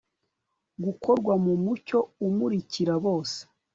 Gukorwa mu mucyo umurikira bose